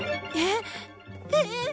えっ？